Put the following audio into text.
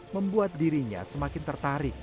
membuat dirinya semakin tertarik